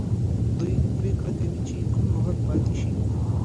دوی پریکړه کوي چې کوم لغت پاتې شي.